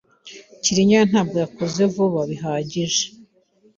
Cyrinyana ntabwo yakoze vuba bihagije.